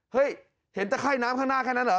เห็นตะไข้น้ำข้างหน้าแค่นั้นเหรอ